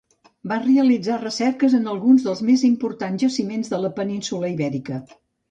Va realitzar recerques en alguns dels més importants jaciments de la península Ibèrica.